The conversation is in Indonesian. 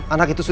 anak itu suka